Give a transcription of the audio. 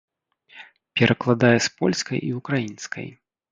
Перакладае з польскай і ўкраінскай.